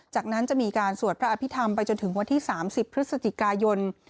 จากนั้นจะมีการสวดพระอภิษฐรรมไปจนถึงวันที่๓๐พฤศจิกายน